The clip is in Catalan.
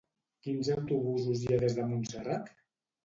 Quins autobusos hi ha des de Montserrat?